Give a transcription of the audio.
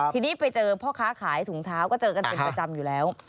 ทีนี้ไปเจอพ่อค้าขายถุงเท้าก็เจอกันเป็นประจำอยู่แล้ว